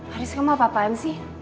haris kamu apa apaan sih